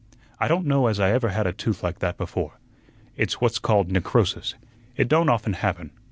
"I don't know as I ever had a tooth like that before. It's what's called necrosis. It don't often happen.